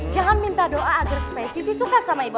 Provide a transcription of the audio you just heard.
jangan minta doa agar spesies disuka sama ibu